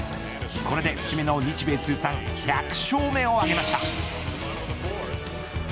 これで節目の、日米通算１００勝目を挙げました。